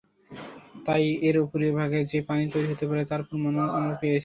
তাই এর উপরিভাগে যে পানি তৈরী হতে পারে তার প্রমাণও আমরা পেয়েছি।